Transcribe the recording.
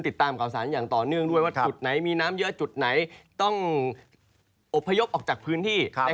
ติดตามข่าวสารอย่างต่อเนื่องด้วยว่าจุดไหนมีน้ำเยอะจุดไหนต้องอบพยพออกจากพื้นที่